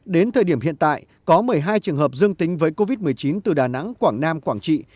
đến thời điểm hiện tại có một mươi hai trường hợp dương tính với covid một mươi chín từ đà nẵng quảng nam quảng trị